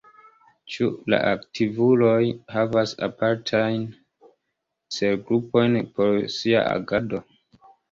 Ĉu la aktivuloj havas apartajn celgrupojn por sia agado?